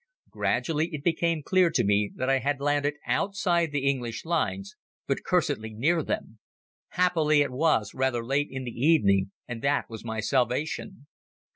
Gradually it became clear to me that I had landed outside the English lines, but cursedly near them. Happily it was rather late in the evening and that was my salvation.